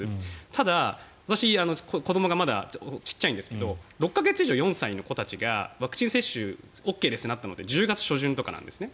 ただ、私は子どもがまだ小さいんですが６か月以上４歳の子どもたちがワクチン接種ＯＫですとなったのって１０月初旬とかなんですね。